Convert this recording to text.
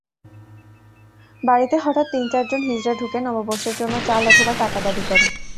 বাড়িতে হঠাৎ তিন-চারজন হিজড়া ঢুকে নববর্ষের জন্য চাল অথবা টাকা দাবি করে।